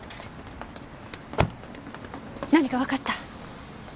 何かわかった？